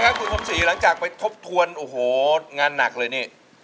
คุณสมศรีหลังจากไปทบทวนโอ้โหงานหนักเลยนี่